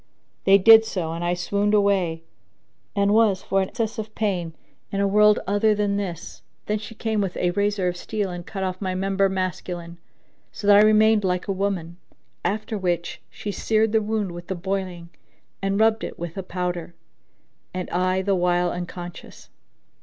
They did so, and I swooned away and was for excess of pain in a world other than this. Then she came with a razor of steel and cut off my member masculine,[FN#4] so that I remained like a woman: after which she seared the wound with the boiling and rubbed it with a powder, and I the while unconscious.